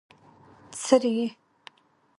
څرې يې؟